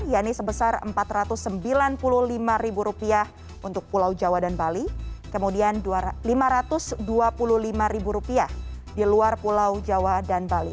yakni sebesar rp empat ratus sembilan puluh lima untuk pulau jawa dan bali kemudian rp lima ratus dua puluh lima di luar pulau jawa dan bali